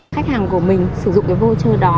khách hàng của mình sử dụng cái vô trơ đó